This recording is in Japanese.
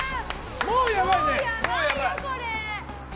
もうやばいね。